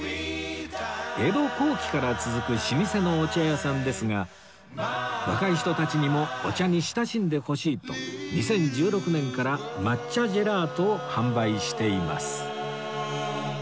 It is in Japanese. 江戸後期から続く老舗のお茶屋さんですが若い人たちにもお茶に親しんでほしいと２０１６年から抹茶ジェラートを販売しています